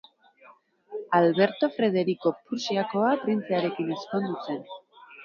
Alberto Frederiko Prusiakoa printzearekin ezkondu zen.